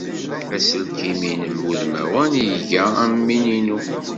Aselkim-nnem udmawan iga am win-inu.